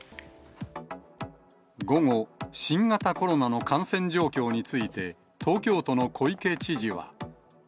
午後、新型コロナの感染状況について、東京都の小池知事は。